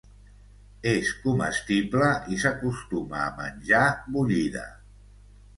És comestible i s'acostuma a menjar bullida.